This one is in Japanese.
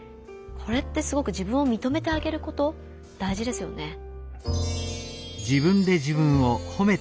これってすごく自分をみとめてあげること大事ですよね。